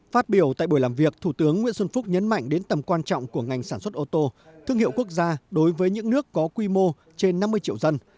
phát biểu tại buổi làm việc thủ tướng nguyễn xuân phúc nhấn mạnh đến tầm quan trọng của ngành sản xuất ô tô thương hiệu quốc gia đối với những nước có quy mô trên năm mươi triệu dân